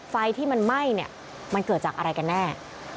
ไฟที่มันไหม้เนี่ยมันเกิดจากอะไรกันแน่